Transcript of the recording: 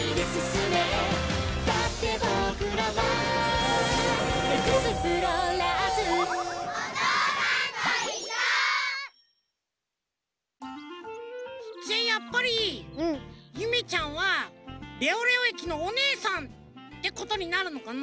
「だって僕らは」「エクスプローラーズ！！」じゃあやっぱりゆめちゃんはレオレオえきのおねえさんってことになるのかな？